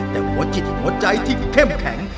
แต่หัวจิตหัวใจที่เข้มแข็ง